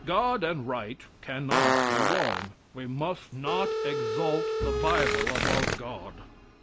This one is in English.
God and right can not be wrong. We must not exalt the Bible above God.